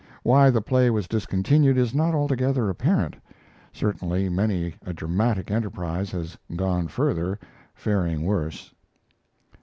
Why the play was discontinued is not altogether apparent; certainly many a dramatic enterprise has gone further, faring worse.